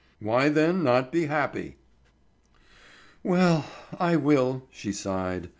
Why then not be happy?" "Well, I will," she sighed.